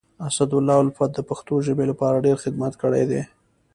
اسدالله الفت د پښتو ژبي لپاره ډير خدمت کړی دی.